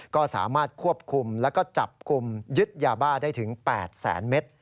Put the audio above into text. ก็สามารถควบคุมแล้วก็จับกลุ่มยึดยาบ้าได้ถึง๘แสนเมตร